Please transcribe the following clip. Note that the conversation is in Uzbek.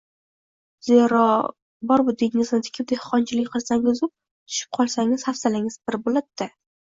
Zero, bor-budingizni tikib, dehqonchilik qilsangizu, «tushib» qolsangiz hafsalangiz pir bo‘ladi-da!